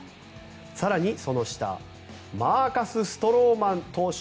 更にその下マーカス・ストローマン投手。